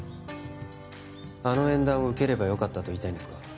あの縁談を受ければよかったと言いたいんですか？